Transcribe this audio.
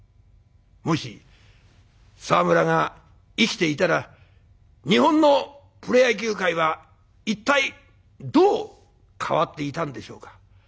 もし沢村が生きていたら日本のプロ野球界は一体どう変わっていたんでしょうか。